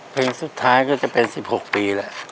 เพลงสุดท้ายก็จะเป็น๑๖ปีแล้ว